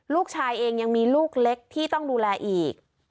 ลูกชายเองยังมีลูกเล็กที่ต้องดูแลอีก